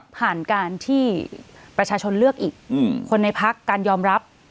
ผ่านการที่ประชาชนเลือกอีกคนในพักการยอมรับ